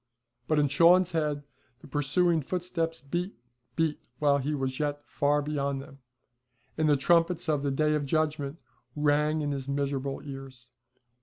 But in Shawn's head the pursuing footsteps beat, beat, while he was yet far beyond them, and the trumpets of the Day of Judgment rang in his miserable ears.